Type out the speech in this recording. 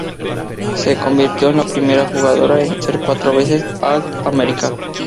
Se convirtió en la primera jugadora en ser cuatro veces All-America.